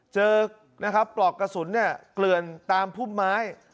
เจอปลอกกระสุนเกลื่อนตามพุ่มไม้